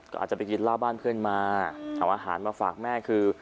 ก็อาจจะไปกินเหล้าบ้านเพื่อนมาเอาอาหารมาฝากแม่คือ